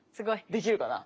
できるかな？